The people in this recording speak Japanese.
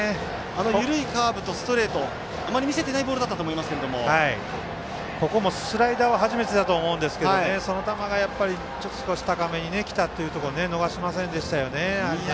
緩いカーブとストレートあまり見せてないボールだとここもスライダーは初めてだと思うんですけどその球が少し高めにきたというところで逃しませんでしたよね。